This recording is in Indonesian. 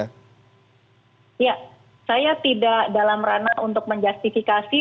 ya saya tidak dalam ranah untuk menjustifikasi